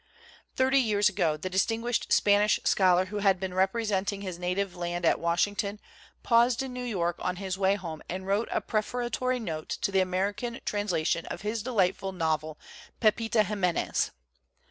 Thirty years ago the distinguished Spanish WHAT IS AMERICAN LITERATURE? scholar who had been representing his native land at Washington, paused in New York on his way home and wrote a prefatory note to the American translation of his delightful novel, 'Pepita Ximenez.'